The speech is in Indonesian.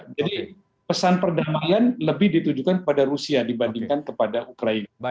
jadi pesan perdamaian lebih ditujukan kepada rusia dibandingkan kepada ukraina